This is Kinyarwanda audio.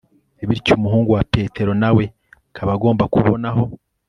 bityo umuhungu wa petero nawe akaba agomba kubonaho